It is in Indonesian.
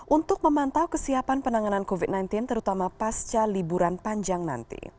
untuk memantau kesiapan penanganan covid sembilan belas terutama pasca liburan panjang nanti